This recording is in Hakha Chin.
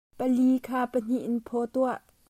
Pali kha pahnih in phaw tuah.